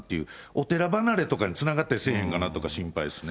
お寺離れとかにつながったりせえへんかなとか心配ですね。